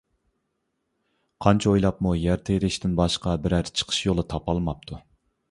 قانچە ئويلاپمۇ يەر تېرىشتىن باشقا بىرەر چىقىش يولى تاپالماپتۇ.